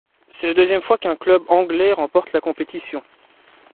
C'est la deuxième fois qu'un club anglais remporte la compétition.